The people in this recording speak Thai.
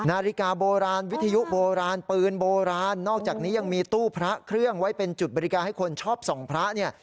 นาฬิกาโบราณวิทยุโบราณปืนโบราณนอกจากนี้ยังมีตู้พระเครื่องไว้เป็นจุดบริการให้คนชอบส่องพระเนี่ย